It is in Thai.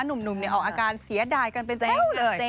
หนุ่มออกอาการเสียดายกันเป็นแถวเลย